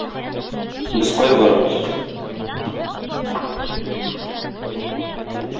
Без кая барабыз?